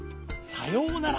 さようなら。